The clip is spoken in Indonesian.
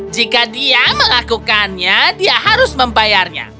jika dia melakukannya dia harus membayarnya